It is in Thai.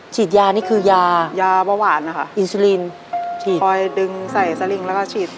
ฉีดยานี่คือยายาเบาหวานนะคะอินซูลินฉีดคอยดึงใส่สลิงแล้วก็ฉีด